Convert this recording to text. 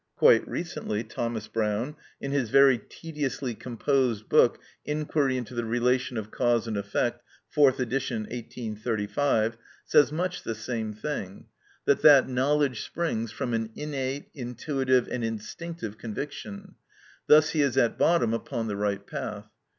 Quite recently Thomas Brown, in his very tediously composed book, "Inquiry into the Relation of Cause and Effect," 4th edit., 1835, says much the same thing, that that knowledge springs from an innate, intuitive, and instinctive conviction; thus he is at bottom upon the right path.